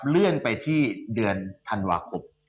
เลื่อนไปที่เดือนธันวาคม